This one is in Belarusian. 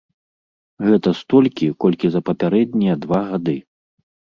Гэта столькі, колькі за папярэднія два гады.